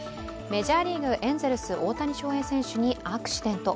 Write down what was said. メジャーリーグ、エンゼルス・大谷翔平選手にアクシデント。